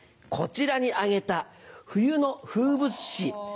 こちらに挙げた冬の風物詩。